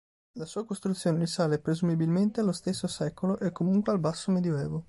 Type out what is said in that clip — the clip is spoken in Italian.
La sua costruzione risale presumibilmente allo stesso secolo e comunque al Basso Medioevo.